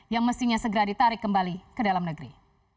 yang mestinya segera ditarik kembali ke dalam negeri